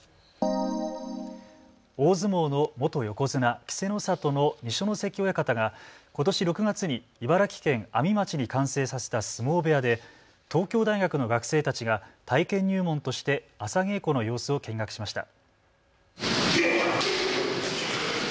大相撲の元横綱・稀勢の里の二所ノ関親方が、ことし６月に茨城県阿見町に完成させた相撲部屋で東京大学の学生たちが体験入門として朝稽古の様子を見学しました。